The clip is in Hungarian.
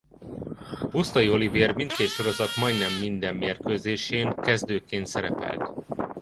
Pusztai Olivér mindkét sorozat majdnem minden mérkőzésén kezdőként szerepelt.